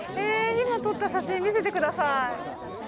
今、撮った写真、見せてください。